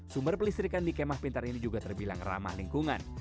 sumber pelistrikan di kemah pintar ini juga terbilang ramah lingkungan